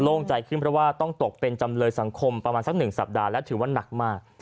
่งใจขึ้นเพราะว่าต้องตกเป็นจำเลยสังคมประมาณสัก๑สัปดาห์และถือว่านักมาก